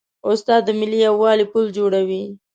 استاد د ملي یووالي پل جوړوي.